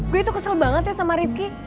gue itu kesel banget ya sama rifki